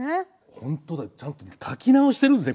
本当だちゃんと書き直してるんですね